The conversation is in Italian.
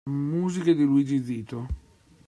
Musiche di Luigi Zito.